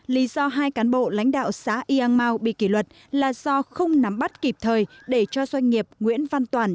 lý do hai cán bộ lãnh đạo xã yang mao bị kỷ luật là do không nắm bắt kịp thời để cho doanh nghiệp nguyễn văn toản